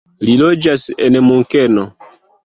Li loĝas en Munkeno.